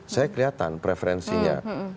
saya kelihatan preferensinya